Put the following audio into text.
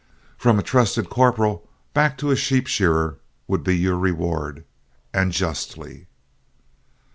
From a trusted corporal back to a sheep shearer would be your reward and justly."